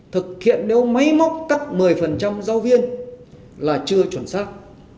thực hiện nếu máy móc cắt một mươi giáo viên là chưa chuẩn xác